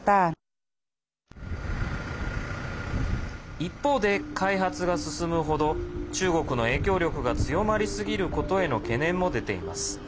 一方で、開発が進む程中国の影響力が強まりすぎることへの懸念も出ています。